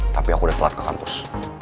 tapi aku udah telat ke kampus